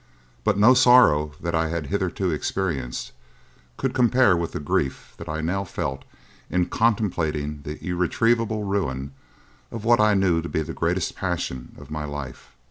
But no sorrow that I had hitherto experienced could compare with the grief that I now felt in contemplating the irretrievable ruin of what I knew to be the great passion of my life.